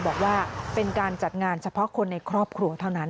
บอกว่าเป็นการจัดงานเฉพาะคนในครอบครัวเท่านั้น